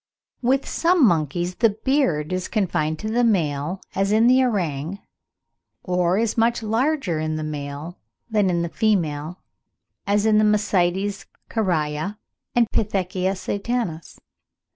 With some monkeys the beard is confined to the male, as in the orang; or is much larger in the male than in the female, as in the Mycetes caraya and Pithecia satanas (Fig.